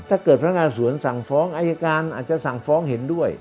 ถ้าเกิดพนักงานสวนสั่งฟ้องอายการอาจจะสั่งฟ้องเห็นด้วย